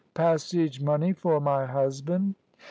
"Passage money for my husband?"